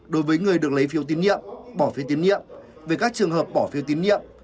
đối với người được lấy phiếu tín nhiệm bỏ phiếu tiến nhiệm về các trường hợp bỏ phiếu tín nhiệm